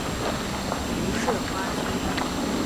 蒲氏花楸